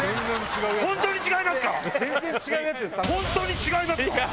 本当に違いますか？